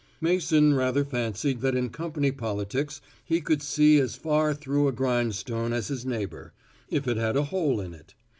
Mason rather fancied that in company politics he could see as far through a grindstone as his neighbor, if it had a hole in it.